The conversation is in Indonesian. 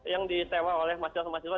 yang disewa oleh mahasiswa